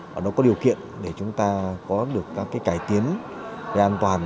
và nó có điều kiện để chúng ta có được các cái cải tiến cái an toàn